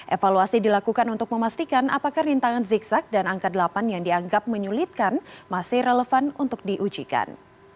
evaluasi dilakukan untuk memastikan apakah rintangan zigzag dan angka delapan yang dianggap menyulitkan masih relevan untuk diujikan